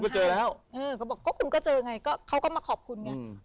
ก็เจอแล้วเออเขาบอกก็คุณก็เจอไงก็เขาก็มาขอบคุณไง